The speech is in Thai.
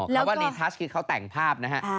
เพราะว่ารีทัศคือเขาแต่งภาพนะฮะ